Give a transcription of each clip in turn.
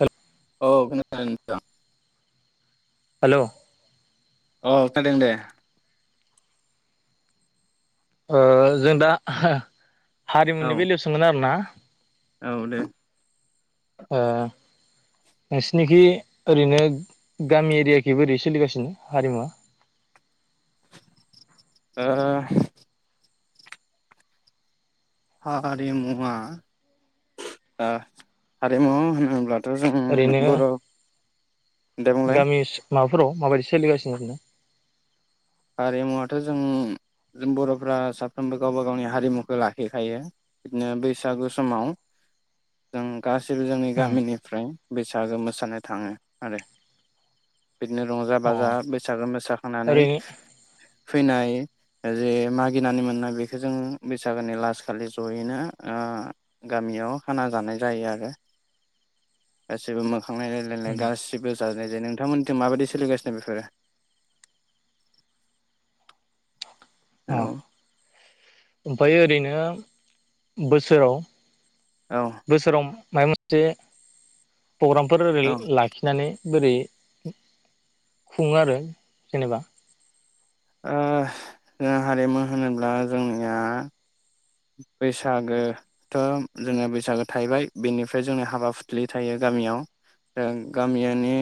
Hello औ खोनादों नोंथां। हेलौ अ खोनादों दे। ओ जों दा औ हारिमुनि बेलायाव सोंगोन आरो ना औ दे। ओ नोंसिनिखि ओरैनो गामि एरियाखै बोरै सोलिगासिनो हारिमुवा? ओ हारिमुवा आ हारिमु होनोब्ला थ' जों ओरैनो बर' दे बुंलाय गामि माबाफोराव माबायदि सोलिगासिनो [unintelligible] हारिमुवाथ' जों जों बर'फ्रा साफ्रोमबो गावबा गावनि हारिमुखो लाखिखायो बिदिनो बैसागु समाव जों गासै जोंनि गामिनिफ्राय बैसागो मोसानो थाङो आरो बिदिनो रंजा अ बाजा बैसागो मोसाखांनानै ओरैनो फैनाय जे मागिनानै मोननाय बेखो जों बैसागोनि लास खालि जयैनो ओ गामियाव खाना जानाय जायो आरो गासैबो मो खां नायलाय नायलाय गासिबो जानाय [unintelligible] नोंथांमोनजों माबायदि सोलिगासिनो बेफोरो? हेल' ओमफाय ओरैनो बोसोराव औ बोसोराव मायबा मोनसे प्रग्रामफोर ओरै औ लाखिनानै बोरै खुङो आरो जेनेबा जों हारिमु होनोब्ला जोंनिया बैसागोथ' जोङो बैसागो थाहैबाय बेनिफ्राय जोंनि हाबा फुथ्लि थायो गामियाव दा गामियनि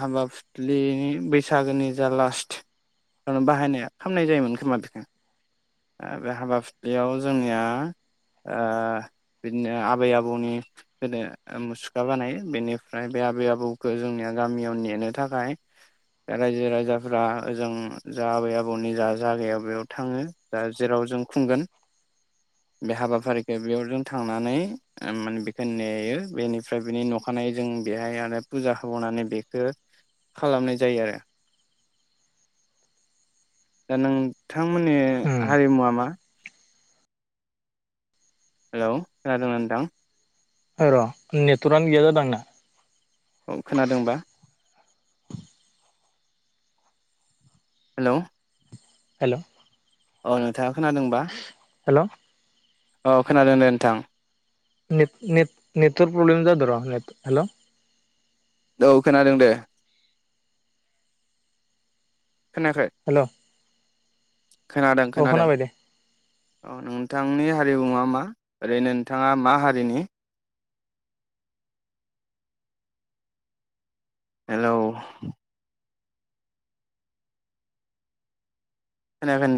हाबा फुथलिनि बैसागोनि जा लास्ट बाहायनाया खामनाय जायोमोन खोमा बेखो बे हाबा बेयाव जोंनिया बिदिनो आबै आबौनि गोदो मुसुखा बानायो बेनिफ्राय बे आबै आबौखौ जोंनिया गामियाव नेनो थाखाय रायजो राजाफ्रा ओजों जा आबै आबौनि जा जायागायाव बेयाव थाङो जा जेराव जों खुंगोन बे हाबाफारिखौ बेयाव ज थांनानै माने बेखौ नेयो बेनिफ्राय बेनि नखानाय जों बेहाय आरो फुजा होबावानै बेखौ खालामनाय जायो आरो दा नोंथांमोननि हारिमुवा मा हेल' खोनादोंना नोंथां र' नेटवर्कआनो गैया जादों आंना औ खोनादोंबा हेल' हेल' औ नोंथां खोनादोंबा हेल' अ खोनादों दे नोंथां ने-ने नेटवर्क प्रब्लेम जादों र' ने हेल' औ खोनादों दे खोनायाखै हेल' खोनादों औ खोनादों खोनाबाय दे औ नोंथांनि हारि बुङा मा ओरैनो नोंथाङा मा हारिनि हेल' खोनायाखै नोंथां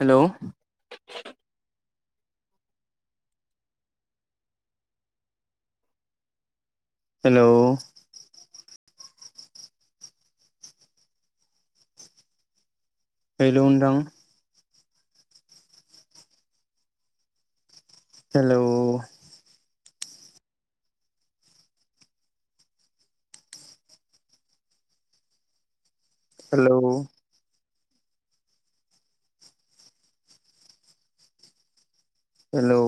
हेल' हेल' हेलौ नोंथां हेलौ हेलौ हेलौ